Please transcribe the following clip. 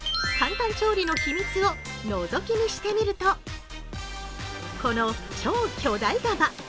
簡単調理の秘密をのぞき見してみるとこの超巨大釜。